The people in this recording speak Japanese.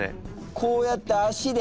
こうやって足で。